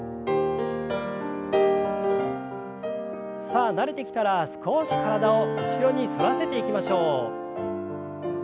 さあ慣れてきたら少し体を後ろに反らせていきましょう。